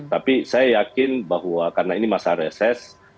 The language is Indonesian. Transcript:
tapi saya yakin bahwa karena ini masa reses